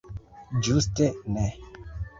Ĝuste ne!